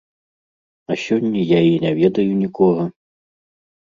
А сёння я і не ведаю нікога.